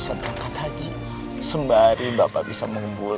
seperti ibu saya sendiri